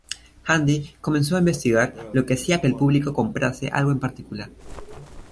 Handy comenzó a investigar lo que hacía que el público comprase algo en particular.